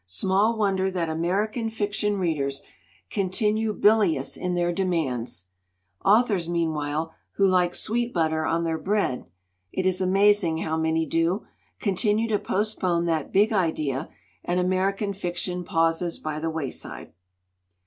Small wonder that American fiction readers continue bilious in their demands. Au thors, meanwhile, who like sweet butter on their bread it is amazing how many do continue to postpone that Big Idea, and American fiction pauses by the wayside."